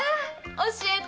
教えて！